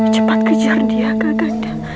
cepat kejar dia kakaknya